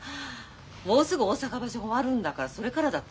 もうすぐ大阪場所が終わるんだからそれからだってよかったのに。